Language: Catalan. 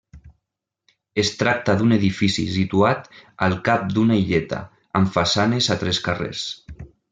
Es tracta d'un edifici situat al cap d'una illeta, amb façanes a tres carrers.